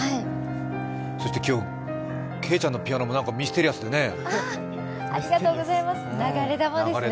そして今日、けいちゃんのピアノも何かミステリアスでね。